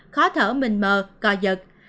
khó thở mịn mờ co giật